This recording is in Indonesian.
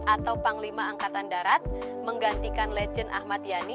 atau panglima angkatan darat menggantikan legend ahmad yani